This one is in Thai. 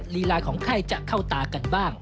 ลีลาของใครจะเข้าตากันบ้าง